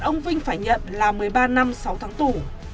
ông vinh phải nhận là một mươi ba năm sáu tháng tù